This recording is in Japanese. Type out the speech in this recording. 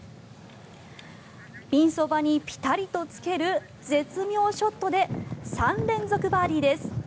ピンそばにピタリとつける絶妙ショットで３連続バーディーです。